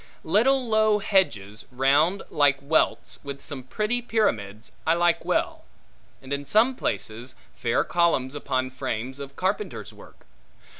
Little low hedges, round, like welts, with some pretty pyramids, I like well; and in some places, fair columns upon frames of carpenter's work.